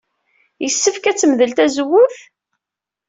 Yessefk ad temdel tazewwut?